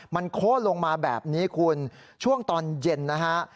มันโค้นลงมาแบบนี้คุณช่วงตอนเย็นนะฮะ